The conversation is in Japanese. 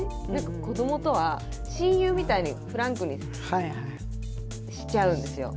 子どもとは親友みたいにフランクにしちゃうんですよ。